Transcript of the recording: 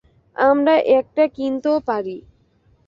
আমরা একটা কিনতেও পারি।